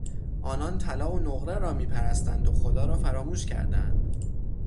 آنان طلا و نقره را میپرستند و خدا را فراموش کردهاند.